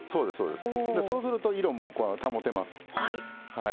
そうすると色も保てます。